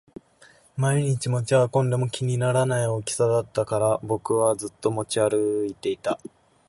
毎日持ち運んでも気にならない大きさだったから僕はずっと持ち歩いていた